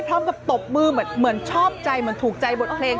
ตบมือเหมือนชอบใจเหมือนถูกใจบทเพลง